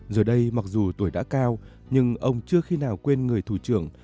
giờ đây mặc dù tuổi đã cao nhưng ông chưa khi nào quên người thủ trưởng